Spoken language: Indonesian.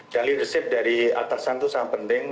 dan leadership dari atasan itu sangat penting